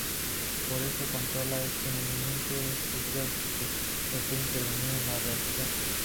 Por eso, controlar este movimiento es crucial si se desea intervenir en la reacción.